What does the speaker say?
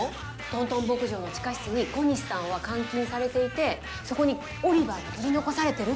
トントン牧場の地下室に小西さんは監禁されていてそこにオリバーが取り残されてるって。